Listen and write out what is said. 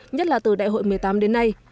nhất là từ đại hội một mươi tám đến nay